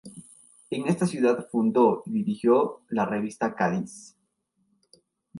En esta ciudad fundó y dirigió la revista "Cádiz".